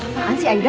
apaan sih aida